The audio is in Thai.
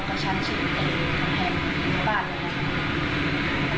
เพราะฉันชีวิตเองทั้งแห่งบ้านเลยนะครับ